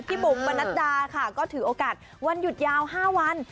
บุ๋มปนัดดาค่ะก็ถือโอกาสวันหยุดยาว๕วัน